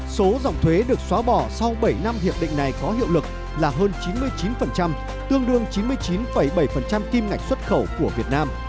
số dòng thuế được xóa bỏ sau bảy năm hiệp định này có hiệu lực là hơn chín mươi chín tương đương chín mươi chín bảy kim ngạch xuất khẩu của việt nam